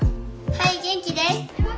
はい元気です。